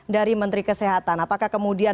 dari menteri kesehatan apakah kemudian